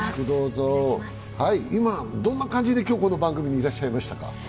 今、どんな感じでこの番組にいらっしゃいましたか。